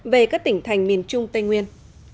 về các tỉnh thành miền trung tây nguyên